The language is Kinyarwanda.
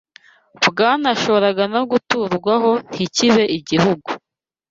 bwanashoboraga no guturwaho ntikibe igihugu